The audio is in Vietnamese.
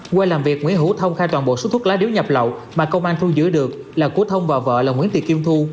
qua làm việc nguyễn hữu thông khai toàn bộ số thuốc lá điếu nhập lậu mà công an thu giữ được là của thông và vợ là nguyễn tị kim thu